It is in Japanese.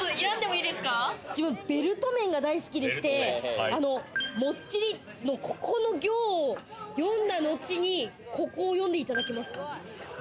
自分、ベルト麺が大好きでして、「もっちり」の、ここの行を読んだ後にここを読んでいただけますか？